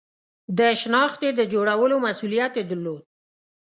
د شنختې د جوړولو مسئولیت یې درلود.